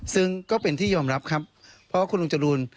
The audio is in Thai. ซึ่งก็เป็นที่ยอมรับครับเพราะว่าคุณลุงจรูน